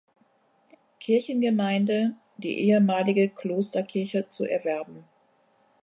Kirchengemeinde, die ehemalige Klosterkirche zu erwerben.